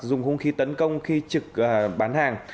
dùng hung khí tấn công khi trực bán hàng